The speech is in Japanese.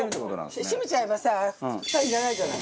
閉めちゃえばさフタいらないじゃない？